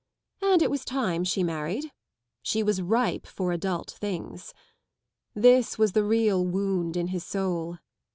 And it was time she married. She was ripe for adult things. This was the real wound in his soul.